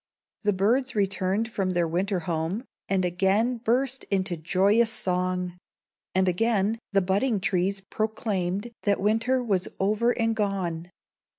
The birds returned from their winter home, and again burst into joyous song; and again the budding trees proclaimed that winter was over and gone.